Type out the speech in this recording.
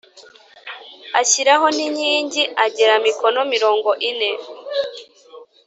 Ashyiraho n inkingi agera mikono mirongo ine